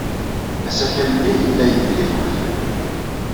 Asakal-nni yella idel-it udfel.